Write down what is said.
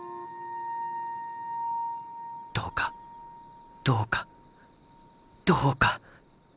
どうかどうかどうか！